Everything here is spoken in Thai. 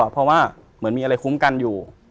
เพราะว่าเหมือนมีอะไรคุ้มกันอยู่